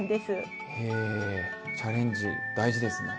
へえチャレンジ大事ですね！